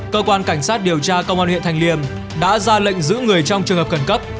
cơ quan cảnh sát điều tra công an huyện thành liêm đã ra lệnh giữ người trong trường hợp khẩn cấp